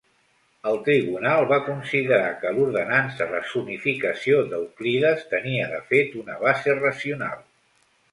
El Tribunal va considerar que l'ordenança de zonificació d'Euclides tenia de fet una base racional.